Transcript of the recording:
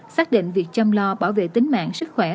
xác định việc chăm lo bảo vệ tính mạng sức khỏe